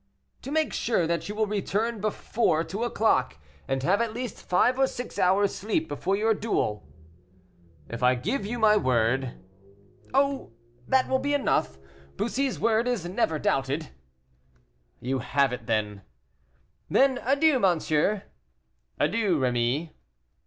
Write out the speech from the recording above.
"To make sure that you will return before two o'clock, and have at least five or six hours' sleep before your duel." "If I give you my word?" "Oh! that will be enough; Bussy's word is never doubted." "You have it then." "Then, adieu, monsieur." "Adieu, Rémy."